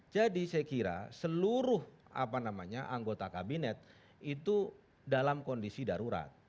jadi saya kira seluruh anggota kabinet itu dalam kondisi darurat